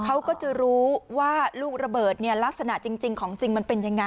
เขาก็จะรู้ว่าลูกระเบิดเนี่ยลักษณะจริงของจริงมันเป็นยังไง